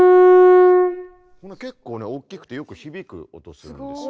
結構ねおっきくてよく響く音するんですよ。